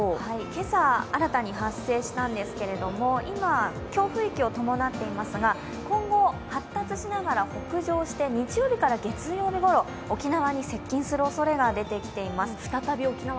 今朝、新たに発生したんですけれども、今、強風域を伴っていますが今後、発達しながら北上して日曜日から月曜日ごろ、沖縄に接近するおそれが出ています。